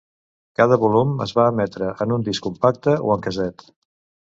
Cada volum es va emetre en un disc compacte o en casset.